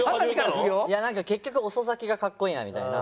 いやなんか結局遅咲きがかっこいいなみたいな。